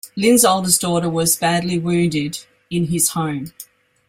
Lin's oldest daughter was badly wounded in his home.